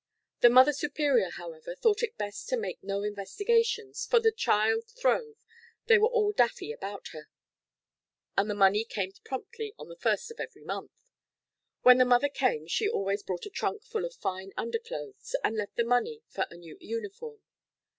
The Mother Superior, however, thought it best to make no investigations, for the child throve, they were all daffy about her, and the money came promptly on the first of every month. When the mother came she always brought a trunk full of fine underclothes, and left the money for a new uniform.